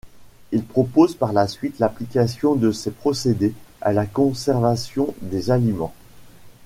Il propose par la suite l'application de ses procédés à la conservation des aliments.